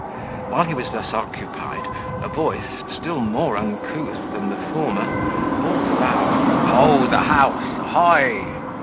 While he was thus occupied, a voice, still more uncouth than the former, bawled aloud, "Ho! the house, a hoy!"